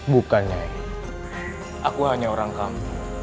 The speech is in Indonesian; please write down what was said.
bukan nyai aku hanya orang kamu